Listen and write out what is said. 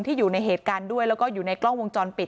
อยู่ในเหตุการณ์ด้วยแล้วก็อยู่ในกล้องวงจรปิด